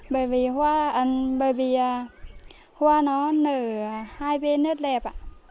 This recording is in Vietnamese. bởi vì hoa nó nở hai bên rất đẹp